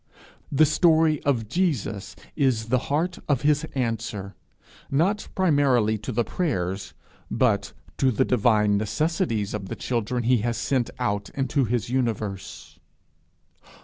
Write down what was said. The story of Jesus is the heart of his answer, not primarily to the prayers, but to the divine necessities of the children he has sent out into his universe.